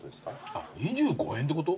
あっ２５円ってこと？